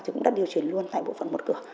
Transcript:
thì cũng đã điều chuyển luôn tại bộ phận một cửa